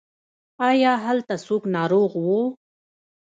ایا هلته څوک ناروغ و؟